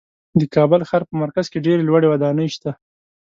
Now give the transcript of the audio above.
د کابل ښار په مرکز کې ډېرې لوړې ودانۍ شته.